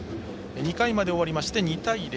２回まで終わりまして２対０。